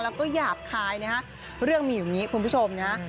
แล้วก็หยาบคายนะฮะเรื่องมีอยู่อย่างนี้คุณผู้ชมนะฮะ